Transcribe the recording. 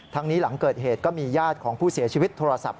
นี้หลังเกิดเหตุก็มีญาติของผู้เสียชีวิตโทรศัพท์